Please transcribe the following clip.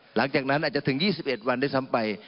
หลังจากนั้นอาจจะถึง๒๑วันด้วยซ้ำไป